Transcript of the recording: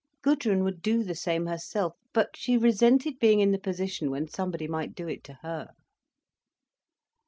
Gudrun would do the same herself. But she resented being in the position when somebody might do it to her.